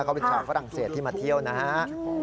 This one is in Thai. เขาเป็นชาวฝรั่งเศสที่มาเที่ยวนะฮะ